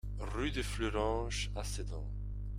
Rue de Fleuranges à Sedan